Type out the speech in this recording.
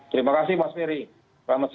terima kasih pak ferry